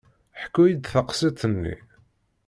Ḥku-iyi-d taqsiṭ-nni.